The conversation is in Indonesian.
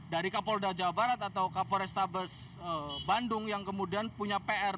dari kapol dajabarat atau kapol restabes bandung yang kemudian punya pr